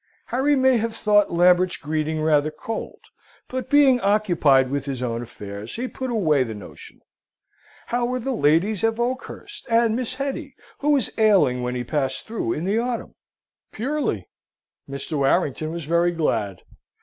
Harry may have thought Lambert's greeting rather cold; but being occupied with his own affairs, he put away the notion. How were the ladies of Oakhurst, and Miss Hetty, who was ailing when he passed through in the autumn? Purely? Mr. Warrington was very glad.